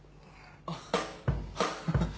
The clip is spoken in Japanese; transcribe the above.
あっハハッ。